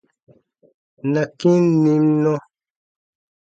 Na kĩ n nim nɔ.